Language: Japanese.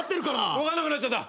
分かんなくなっちゃった。